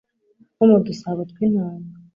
nko mu dusabo tw'intanga.